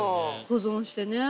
保存してね。